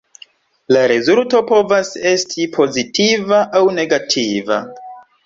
La rezulto povas esti pozitiva aŭ negativa.